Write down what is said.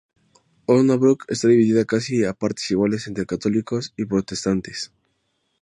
Osnabrück está dividida casi a partes iguales entre católicos y protestantes.